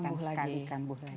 terus dia kambuh lagi